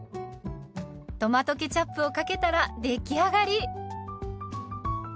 トマトケチャップをかけたら出来上がり。